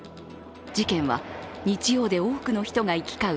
事件は日曜で多くの人が行き交う